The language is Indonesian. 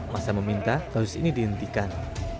masa meminta kasus ini dihentikan